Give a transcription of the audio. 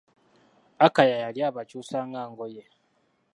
Akaya yali abakyusa nga ngoye.